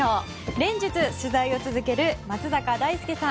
連日取材を続ける松坂大輔さん。